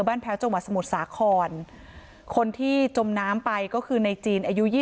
แพ้วจังหวัดสมุทรสาครคนที่จมน้ำไปก็คือในจีนอายุ๒๐